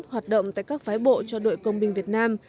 hoạt động tại các phái bộ cho đội công binh việt nam